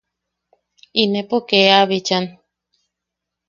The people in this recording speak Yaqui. Inepo kee a bichan.